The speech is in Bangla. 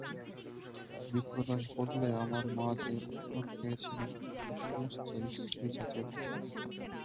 বিপ্রদাস বললে, আমার মা যে অপমান পেয়েছিলেন তাতে সমস্ত স্ত্রীজাতির অসম্মান।